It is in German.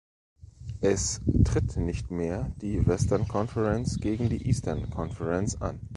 Es tritt nicht mehr die Western Conference gegen die Eastern Conference an.